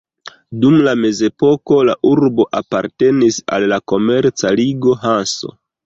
Dum la mezepoko, la urbo apartenis al la komerca ligo Hanso.